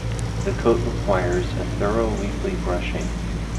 The coat requires a thorough weekly brushing.